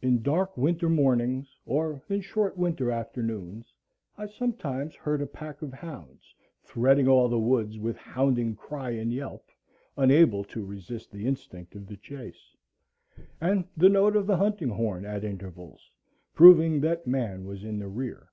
In dark winter mornings, or in short winter afternoons, I sometimes heard a pack of hounds threading all the woods with hounding cry and yelp, unable to resist the instinct of the chase, and the note of the hunting horn at intervals, proving that man was in the rear.